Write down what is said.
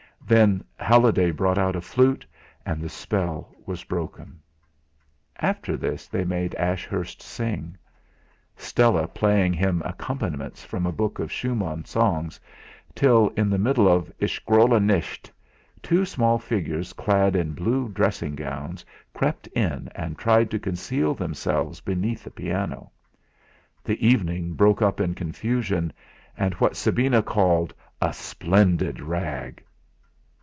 Then Halliday brought out a flute, and the spell was broken. After this they made Ashurst sing, Stella playing him accompaniments from a book of Schumann songs, till, in the middle of "Ich grolle nicht," two small figures clad in blue dressing gowns crept in and tried to conceal themselves beneath the piano. The evening broke up in confusion, and what Sabina called "a splendid rag."